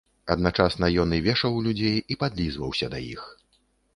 Адначасна ён і вешаў людзей і падлізваўся да іх.